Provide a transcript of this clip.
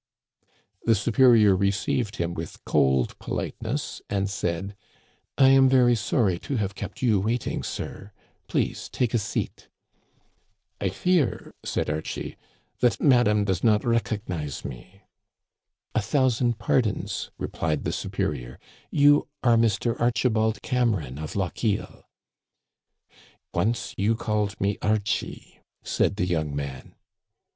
The superior received him with cold politeness, and said :" I am very sorry to have kept you waiting, sir ; please take a seat." " I fear," said Archie, " that madam does not recog nize me." Digitized by VjOOQIC 2o8 THE CANADIANS OF OLD, A thousand pardons," replied the superior. You are Mr. Archibald Cameron of Lochiel." " Once you called me Archie," said the young man.